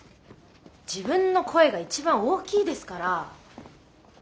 自分の声が一番大きいですから。